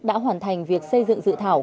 đã hoàn thành việc xây dựng dự thảo